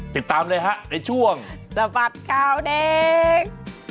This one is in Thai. ติดตามเลยฮะในช่วงสะบัดข่าวเด็ก